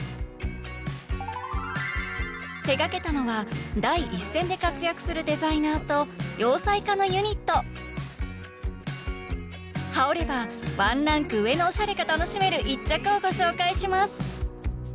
手がけたのは第一線で活躍するデザイナーと洋裁家のユニット羽織ればワンランク上のオシャレが楽しめる一着をご紹介します